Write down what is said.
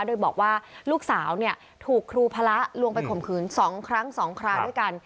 โดยบอกว่าลูกสาวถูกครูพระลวงไปข่มขืน๒ครั้ง๒คราวด้วยกัน